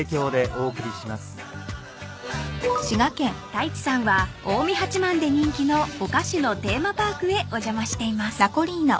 ［太一さんは近江八幡で人気のお菓子のテーマパークへお邪魔しています］